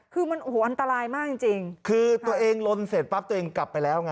คือมันโอ้โหอันตรายมากจริงจริงคือตัวเองลนเสร็จปั๊บตัวเองกลับไปแล้วไง